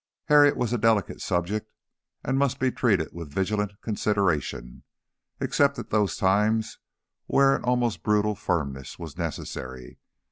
Harriet was a delicate subject and must be treated with vigilant consideration, except at those times where an almost brutal firmness was necessary.